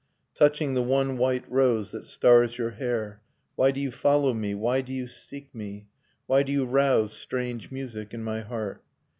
Touching the one white rose that stars your hair. Why do you follow me, why do you seek me. Why do you rouse strange music in my heart?